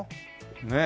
ねえ。